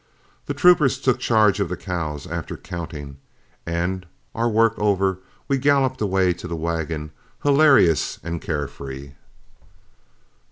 The troopers took charge of the cows after counting, and, our work over, we galloped away to the wagon, hilarious and care free.